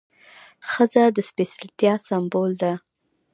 ښځه د سپېڅلتیا سمبول ده.